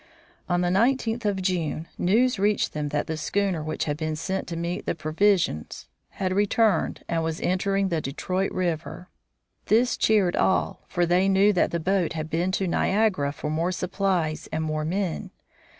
On the nineteenth of June news reached them that the schooner which had been sent to meet the provisions had returned and was entering the Detroit River. This cheered all, for they knew that the boat had been to Niagara for more supplies and more men.